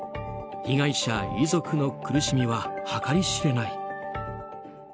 被害者遺族の苦しみは計り知れない。